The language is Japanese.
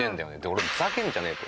俺ふざけんじゃねえと。